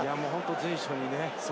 随所にね。